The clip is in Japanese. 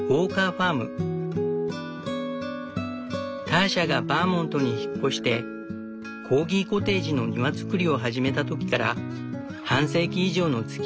ターシャがバーモントに引っ越してコーギコテージの庭造りを始めた時から半世紀以上のつきあいになる。